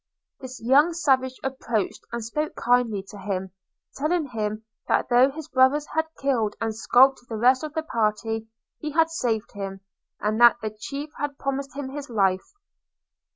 This young savage approached and spoke kindly to him, telling him, that though his brothers had killed and scalped the rest of the party, he had saved him, and that the chief had promised him his life.